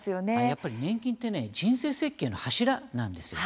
やっぱり年金ってね人生設計の柱なんですよ。